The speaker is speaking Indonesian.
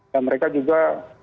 dan mereka juga